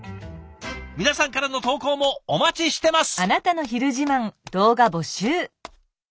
皆さんからの投稿もお待ちしてます！